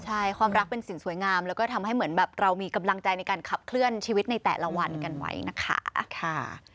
ใช่ความรักเป็นสิ่งสวยงามแล้วก็ทำให้เหมือนแบบเรามีกำลังใจในการขับเคลื่อนชีวิตในแต่ละวันกันไว้นะคะ